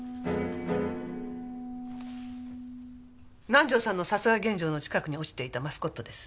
南条さんの殺害現場の近くに落ちていたマスコットです。